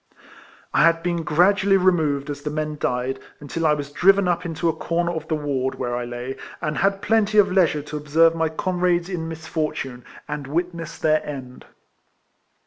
I had been gradually removed as the men died, until I was driven up into a corner of the ward, where I lay, and had plenty of leisure to observe my comrades in misfortune, and witness their end.